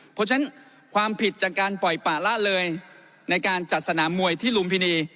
เพราะฉะนั้นความผิดจากการปล่อยป่าละเลยในการจัดสนามมวยที่ลุมพินี